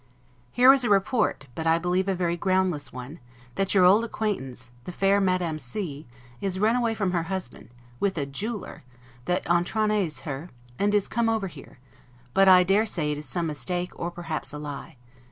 Here is a report, but I believe a very groundless one, that your old acquaintance, the fair Madame C e, is run away from her husband, with a jeweler, that 'etrennes' her, and is come over here; but I dare say it is some mistake, or perhaps a lie.